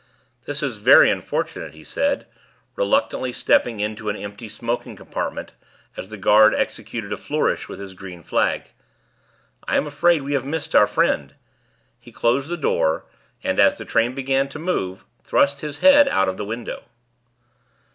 "This is very unfortunate," he said, reluctantly stepping into an empty smoking compartment as the guard executed a flourish with his green flag. "I am afraid we have missed our friend." He closed the door, and, as the train began to move, thrust his head out of the window.